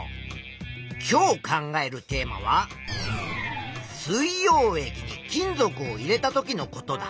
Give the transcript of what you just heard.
今日考えるテーマは水よう液に金属を入れたときのことだ。